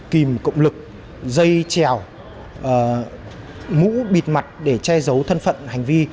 kìm cộng lực dây trèo mũ bịt mặt để che giấu thân phận hành vi